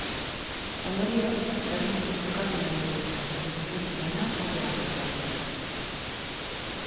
Ondorioz, berdinduta bukatu da neurketa eta puntu bana talde bakoitzarentzat.